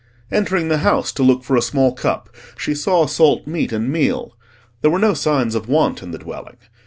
Entering the house to look for a small cup, she saw salt meat and meal: there were no signs of want in the dwelling.